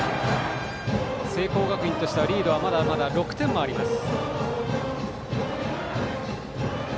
聖光学院としてはリードはまだまだ６点もあります。